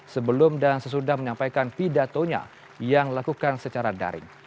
sebelum dan sesudah menyampaikan pidatonya yang dilakukan secara daring